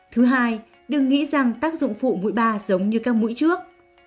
thứ hai đừng nghĩ rằng tác dụng phụ mũi ba giống như các mũi trước